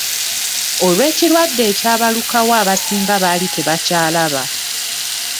Olw'ekirwadde ekyabalukawo abasinga baali tebakyalaba.